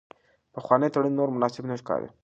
پخوانی تړون نور مناسب نه ښکاري.